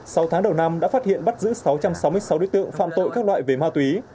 sau tháng đầu năm đã phát hiện bắt giữ sáu trăm sáu mươi sáu đối tượng phạm tội các loại về ma túy